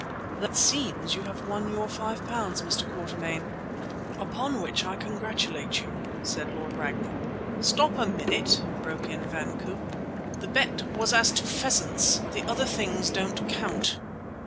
"Then it seems you have won your £5, Mr. Quatermain, upon which I congratulate you," said Lord Ragnall. "Stop a minute," broke in Van Koop. "The bet was as to pheasants; the other things don't count."